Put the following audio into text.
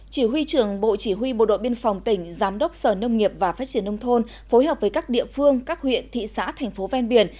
chỉ huy trưởng bộ chỉ huy bộ đội biên phòng tỉnh giám đốc sở nông nghiệp và phát triển nông thôn phối hợp với các địa phương các huyện thị xã thành phố ven biển